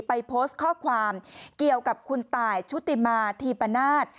ไปโพสต์ข้อความเกี่ยวกับคุณตายชุติมาธีปนาศ